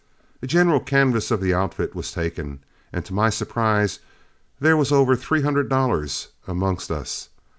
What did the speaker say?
A general canvass of the outfit was taken, and to my surprise there was over three hundred dollars amongst us.